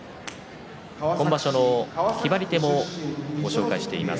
今場所の決まり手もご紹介しています。